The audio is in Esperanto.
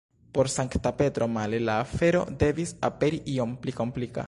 Por Sankta Petro, male, la afero devis aperi iom pli komplika.